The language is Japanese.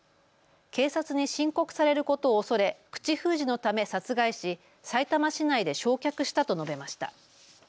警察に申告されることを恐れ口封じのため殺害しさいたま市内で焼却したと述べました。